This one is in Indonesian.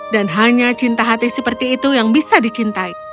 dan hanya cinta hati seperti itu yang bisa dicintai